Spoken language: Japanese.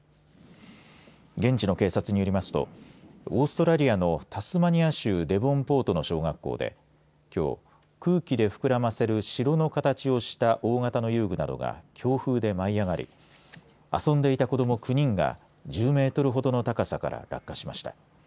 現地の警察によりますとオーストラリアのタスマニア州デボンポートの小学校できょう空気で膨らませる城の形をした大型の遊具などが強風で舞い上がり遊んでいた子ども９人が１０メートルほどの高さから落下しました。